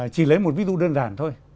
chỉ lấy một ví dụ đơn giản thôi